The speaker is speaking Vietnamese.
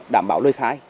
đảm bảo lời khai